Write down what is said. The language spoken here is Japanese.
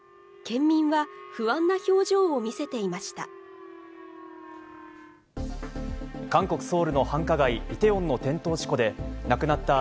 県民は不安な表情を見せていました。